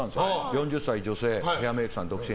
４０歳女性ヘアメイクさん独身。